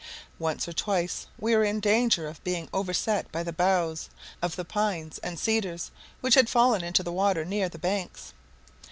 Once or twice we were in danger of being overset by the boughs of the pines and cedars which had fallen into the water near the banks.